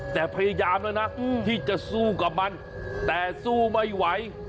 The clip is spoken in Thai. แต่พยายามแล้วนะที่จะสู้กับมันแต่สู้ไม่ไหว